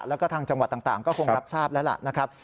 แล้วก็ทางจังหวัดต่างก็คงรับทราบแล้วล่ะนะครับ